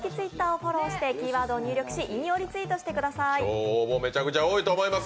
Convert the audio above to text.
今日、応募めちゃくちゃ多いと思います。